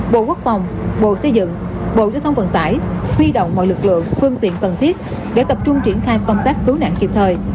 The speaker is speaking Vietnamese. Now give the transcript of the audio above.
bộ quốc phòng bộ xây dựng bộ giao thông vận tải huy động mọi lực lượng phương tiện cần thiết để tập trung triển khai công tác cứu nạn kịp thời